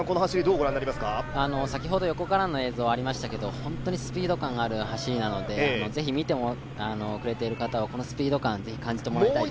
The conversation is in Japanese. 先ほど横からの映像がありましたけど本当にスピード感がある走りなので、ぜひ見てくれている方はこのスピード感を感じてもらいたいです。